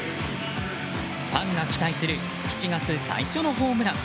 ファンが期待する７月最初のホームラン。